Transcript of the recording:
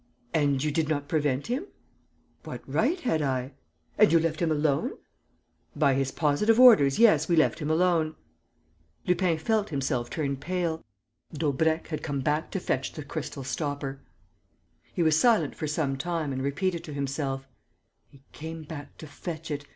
"And you did not prevent him?" "What right had I?" "And you left him alone?" "By his positive orders, yes, we left him alone." Lupin felt himself turn pale. Daubrecq had come back to fetch the crystal stopper! He was silent for some time and repeated to himself: "He came back to fetch it....